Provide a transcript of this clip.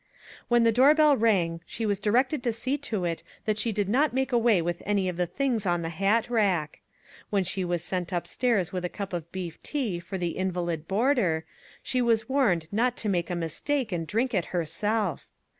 When the door bell rang she was directed to see to it that she did not make away with any of the things on the hat rack. When she was sent upstairs with a cup of beef tea for the invalid 84 " RAISINS " boarder, she was warned not to make a mistake and drink it herself!